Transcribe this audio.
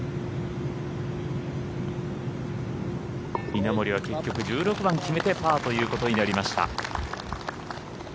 稲森は結局、１６番決めてパーということになりました。